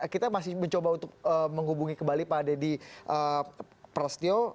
kita masih mencoba untuk menghubungi kembali pak deddy prasetyo